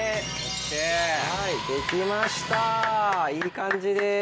はいできましたいい感じです。